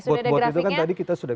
sudah ada grafiknya